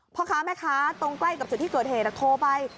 พ่อค้าแม่ค้าตรงใกล้กับจุดที่เกิดเหตุโทรไป